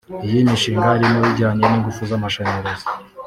Iyi mishinga irimo ijyanye n’ingufu z’amashanyarazi